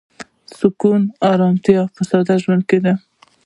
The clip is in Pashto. سکون او ارامتیا په ساده ژوند کې ده.